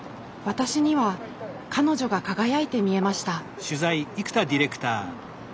私には彼女が輝いて見えました。